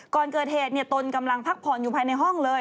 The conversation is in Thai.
ก่อนเกิดเหตุตนกำลังพักผ่อนอยู่ภายในห้องเลย